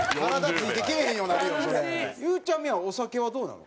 ゆうちゃみはお酒はどうなの？